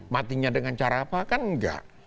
matinya dengan cara apa kan enggak